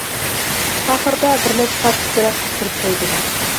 ئاخىرىدا بىرنەچچە پارچە سۈرەت قىستۇرۇپ قويدۇم.